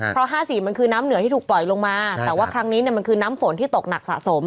เพราะ๕๔มันคือน้ำเหนือที่ถูกปล่อยลงมาแต่ว่าครั้งนี้เนี่ยมันคือน้ำฝนที่ตกหนักสะสม